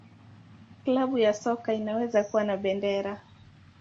Klabu ya soka inaweza kuwa na bendera.